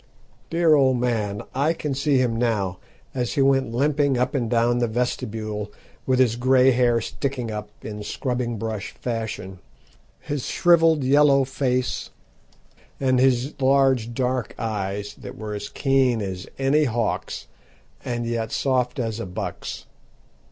Dear old man! I can see him now, as he went limping up and down the vestibule, with his grey hair sticking up in scrubbing brush fashion, his shrivelled yellow face, and his large dark eyes, that were as keen as any hawk's, and yet soft as a buck's.